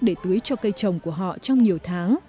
để tưới cho cây trồng của họ trong nhiều tháng